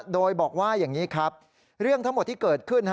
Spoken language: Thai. โดยบอกว่าเรื่องทั้งหมดที่เกิดขึ้น